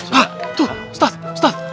hah tuh ustadz ustadz